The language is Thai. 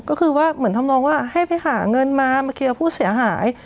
ก็คือว่าเหมือนทำนองว่าให้ไปหาเงินมามาเคลียร์ผู้เสียหาย